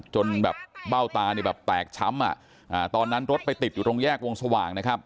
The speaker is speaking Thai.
จนแบบเบ้าตาเนี่ยแบบแตกช้ำตอนนั้นรถไปติดอยู่ตรงแยกวงสว่างนะครับ